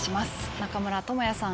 中村倫也さん